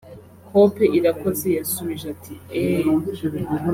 Hope Irakoze yasubije ati “Eeeh